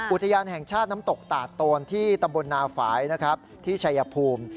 อุทยานแห่งชาติน้ำตกตาดโตนที่ตำบลนาฝ่ายนะครับที่ชายภูมิ